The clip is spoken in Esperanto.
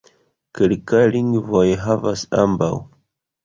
Kelkaj lingvoj havas ambaŭ.